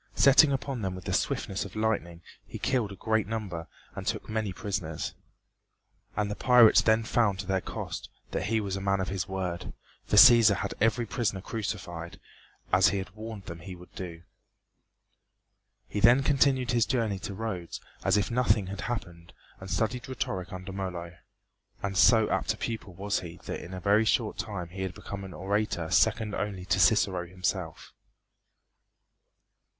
Setting upon them with the swiftness of lightning he killed a great number and took many prisoners. And the pirates then found to their cost that he was a man of his word, for Cæsar had every prisoner crucified, as he had warned them he would do. He then continued his journey to Rhodes as if nothing had happened and studied rhetoric under Molo; and so apt a pupil was he that in a very short time he became an orator second only to Cicero himself.